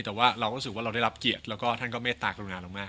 แต่ว่าเราก็รู้สึกว่าเราได้รับเกียรติแล้วก็ท่านก็เมตตากรุณาเรามาก